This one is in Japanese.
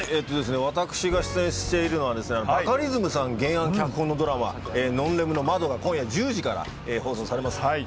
私が出演しているのは、バカリズムさん原案・脚本のドラマ、ノンレムの窓が今夜１０時から放送されます。